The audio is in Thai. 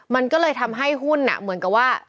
มันก็เลยทำให้หุ้นเหมือนกับว่า